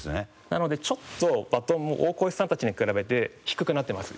なのでちょっとバトンも大越さんたちに比べて低くなってます。